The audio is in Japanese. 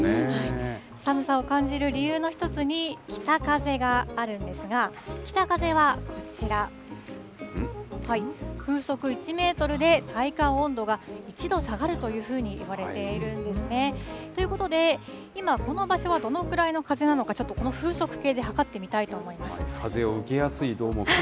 寒さを感じる理由の一つに、北風があるんですが、北風はこちら、風速１メートルで、体感温度が１度下がるというふうにいわれているんですね。ということで、今、この場所はどのぐらいの風なのか、ちょっとこの風速計で測ってみたいと思います。